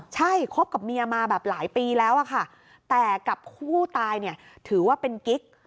ใช่คบกับเมียมาหลายปีแล้วแต่กับคู่ตายถือว่าเป็นกิ๊ก